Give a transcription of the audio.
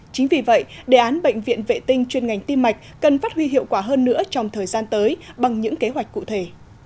chính vì vậy đề án bệnh viện vệ tinh chuyên ngành tim mạch cần phát huy hiệu quả hơn nữa trong thời gian tới bằng những kế hoạch cụ thể